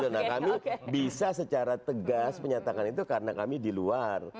nah kami bisa secara tegas menyatakan itu karena kami di luar